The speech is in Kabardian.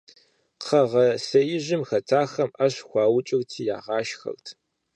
Кхъэгъэсеижым хэтахэм Ӏэщ хуаукӀырти ягъашхэрт.